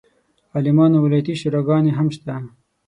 عالمانو ولایتي شوراګانې هم شته.